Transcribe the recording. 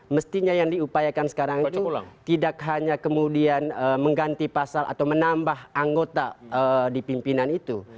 mestinya yang diupayakan sekarang itu tidak hanya kemudian mengganti pasal atau menambah anggota di pimpinan itu